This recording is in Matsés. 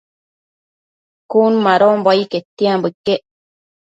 Cun madonbo ai quetianbo iquec